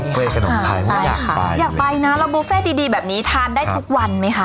บุฟเฟ่ขนมไทยใช่ค่ะอยากไปอยู่เลยอยากไปน่ะแล้วบุฟเฟ่ดีดีแบบนี้ทานได้ทุกวันไหมคะ